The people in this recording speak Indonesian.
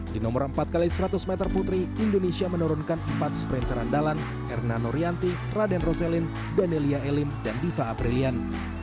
di nomor empat x seratus meter putri indonesia menurunkan empat sprinter andalan erna norianti raden roselin danelia elim dan diva aprilian